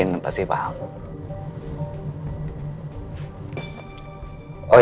ya enggak ada masalah